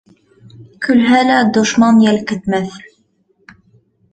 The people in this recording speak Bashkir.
Көлһә лә дошман йәлкетмәҫ.